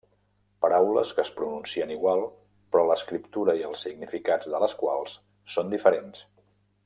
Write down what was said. Paraules que es pronuncien igual però l'escriptura i els significats de les quals són diferents.